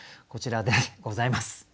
こちらでございます。